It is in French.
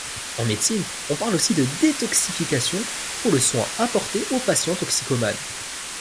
En médecine, on parle aussi de détoxification pour le soin apporté aux patients toxicomanes.